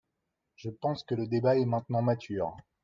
Je pense que le débat est maintenant mature.